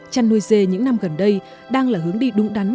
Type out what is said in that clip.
chăn nuôi dê những năm gần đây đang là hướng đi đúng đắn